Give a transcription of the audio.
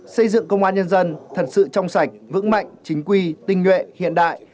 xây dựng công an nhân dân thật sự trong sạch vững mạnh chính quy tinh nguyện hiện đại